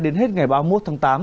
đến hết ngày ba mươi một tháng tám